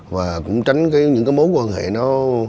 và cũng tránh những mối quan hệ nó